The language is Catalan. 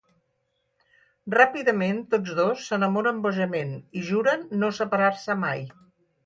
Ràpidament tots dos s'enamoren bojament i juren no separar-se mai.